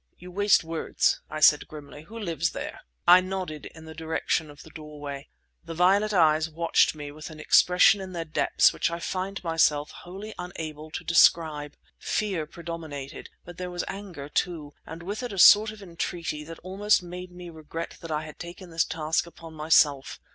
"You waste words," I said grimly. "Who lives there?" I nodded in the direction of the doorway. The violet eyes watched me with an expression in their depths which I find myself wholly unable to describe. Fear predominated, but there was anger, too, and with it a sort of entreaty which almost made me regret that I had taken this task upon myself.